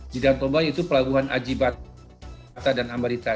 di danau toba itu pelabuhan aji batu kata dan ambarita